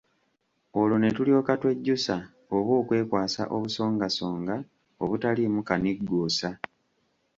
Olwo ne tulyoka twejjusa oba okwekwasa obusongasonga obutaliimu kanigguusa.